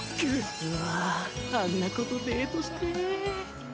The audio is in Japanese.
うわあんな子とデートしてぇ。